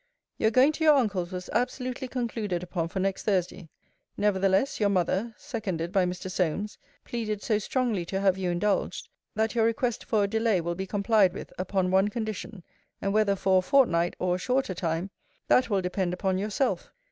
Your going to your uncle's was absolutely concluded upon for next Thursday. Nevertheless, your mother, seconded by Mr. Solmes, pleaded so strongly to have you indulged, that your request for a delay will be complied with, upon one condition; and whether for a fortnight, or a shorter time, that will depend upon yourself.